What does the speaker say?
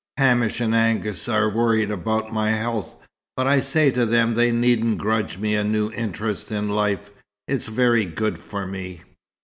Hamish and Angus are worried about my health, but I say to them they needn't grudge me a new interest in life. It's very good for me."